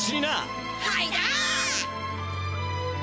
はいだ！